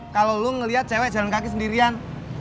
kalau lu ngelihat cewek jalan kaki sendirian